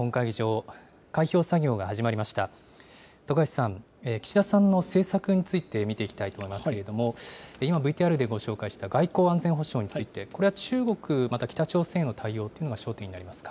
徳橋さん、岸田さんの政策について見ていきたいと思いますけれども、今ＶＴＲでご紹介した外交・安全保障について、これは中国、また北朝鮮の対応というのが焦点になりますか。